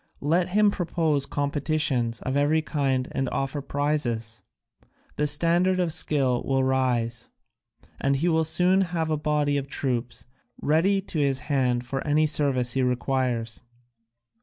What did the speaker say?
Let him propose competitions of every kind and offer prizes; the standard of skill will rise, and he will soon have a body of troops ready to his hand for any service he requires."